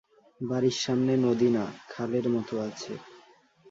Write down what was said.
বাড়ির সামনে নদী না- খালের মত আছে।